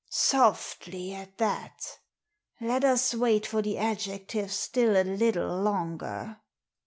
Softly at that Let us wait for the adjectives still a little longer.